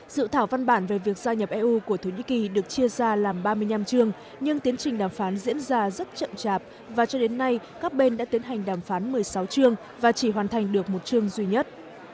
dự thảo văn bản về việc gia nhập eu của thổ nhĩ kỳ được chia ra làm ba mươi năm trường nhưng tiến trình đàm phán diễn ra rất chậm chạp và cho đến nay các bên đã tiến hành đàm phán một mươi sáu chương và chỉ hoàn thành được một chương duy nhất